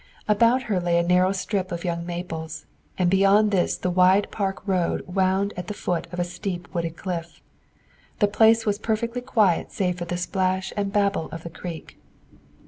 About her lay a narrow strip of young maples and beyond this the wide park road wound at the foot of a steep wooded cliff. The place was perfectly quiet save for the splash and babble of the creek.